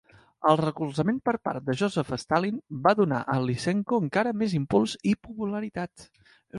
El recolzament per part de Joseph Stalin va donar a Lysenko encara més impuls i popularitat.